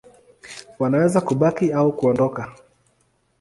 Wanaweza kubaki au kuondoka.